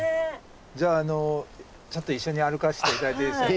じゃあちょっと一緒に歩かせて頂いていいですか？